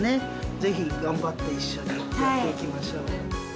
ぜひ頑張って、一緒にやっていきましょうね。